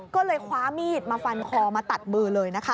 ก็เลยคว้ามีดมาฟันคอมาตัดมือเลยนะคะ